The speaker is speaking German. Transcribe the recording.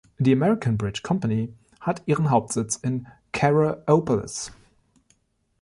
Die American Bridge Company hat ihren Hauptsitz in Coraopolis.